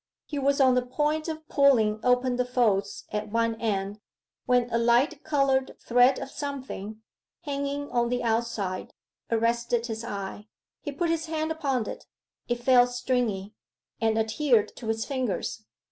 He was on the point of pulling open the folds at one end, when a light coloured thread of something, hanging on the outside, arrested his eye. He put his hand upon it; it felt stringy, and adhered to his fingers.